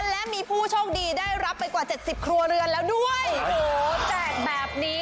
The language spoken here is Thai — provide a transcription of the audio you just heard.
และมีผู้โชคดีได้รับไปกว่าเจ็ดสิบครัวเรือนแล้วด้วยโอ้โหแจกแบบนี้